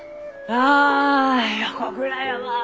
ああ横倉山！